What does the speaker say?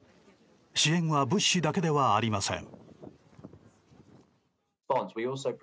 支援は物資だけではありません。